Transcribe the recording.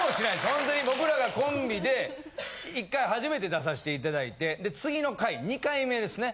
ほんとに僕らがコンビで１回初めて出さして頂いてで次の回２回目ですね。